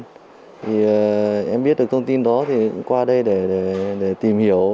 thì em biết được thông tin đó thì qua đây để tìm hiểu